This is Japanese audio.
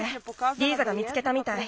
リーザが見つけたみたい。